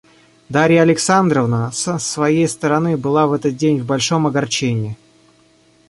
Дарья Александровна с своей стороны была в этот день в большом огорчении.